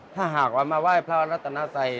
ถ้าหากว่ามาไหว้พระรัตนาสัย